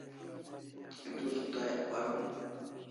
Du sudayak paron